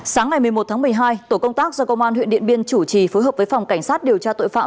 sáng ngày một mươi một tháng một mươi hai tổ công tác do công an huyện điện biên chủ trì phối hợp với phòng cảnh sát điều tra tội phạm